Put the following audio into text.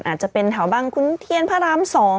อาจจะเป็นแถวบางขุนเทียนพระราม๒